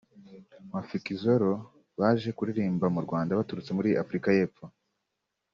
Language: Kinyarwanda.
Mafikizolo baje kuririmba mu Rwanda baturutse muri Afurika y’Epfo